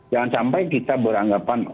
jangan sampai kita beranggapan